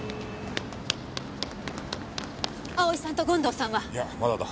蒼さんと権藤さんは？いやまだだ。